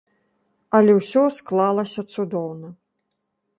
Але ўсё склалася цудоўна.